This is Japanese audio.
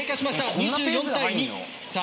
２４対２。